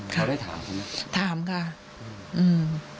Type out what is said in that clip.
เราได้ถามเขาไหมถามค่ะอืม